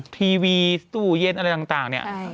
ทีวีตู้เย็นอะไรต่างเนี่ย